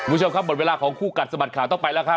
คุณผู้ชมครับหมดเวลาของคู่กัดสะบัดข่าวต้องไปแล้วครับ